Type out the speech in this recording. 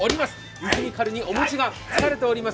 リズミカルにお餅がつかれています。